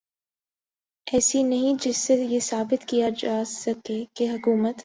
ایسی نہیں جس سے یہ ثابت کیا جا سکے کہ حکومت